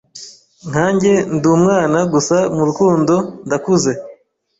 Nkanjye ndi umwana gusa murukundo ndakuze